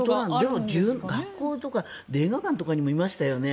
でも、学校とか映画館とかにもいましたよね。